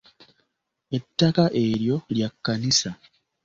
Ettaka eryo lya kkanisa